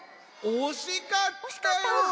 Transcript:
おしかったよ。